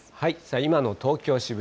今の東京・渋谷。